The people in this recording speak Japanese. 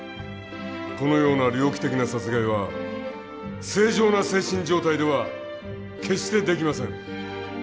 このような猟奇的な殺害は正常な精神状態では決してできません。